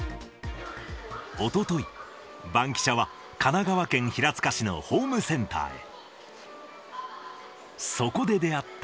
おととい、バンキシャは神奈川県平塚市のホームセンターへ。